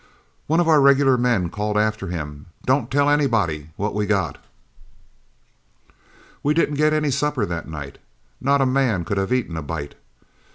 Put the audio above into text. One of our regular men called after him, 'Don't tell anybody what we got.' "We didn't get any supper that night. Not a man could have eaten a bite.